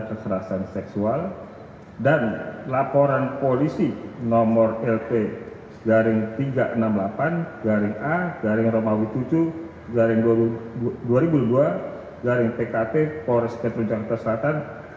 kedua permohonan dilengkapi dengan persyaratan pendukung berupa laporan polisi nomor lp b seribu enam ratus tiga puluh rw tujuh dua ribu dua puluh dua sbkt pores metro jasel podo metro metrojaya